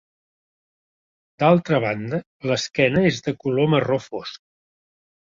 D'altra banda, l'esquena és de color marró fosc.